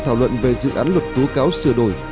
thảo luận về dự án luật tố cáo sửa đổi